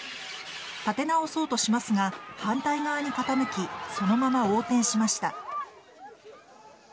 立て直そうとしますが反対側に傾きそのまま横転しました。